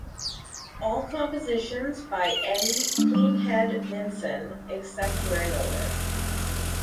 All compositions by Eddie "Cleanhead" Vinson except where noted